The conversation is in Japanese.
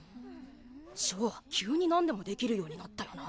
翔急に何でもできるようになったよな。